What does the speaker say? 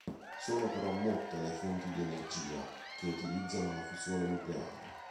Sono però molte le fonti di energia che utilizzano la fusione nucleare.